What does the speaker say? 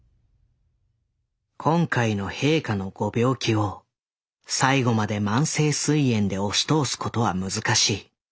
「今回の陛下のご病気を最後まで慢性膵炎で押し通すことは難しい。